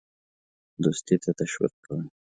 دوستی ته تشویق کړ.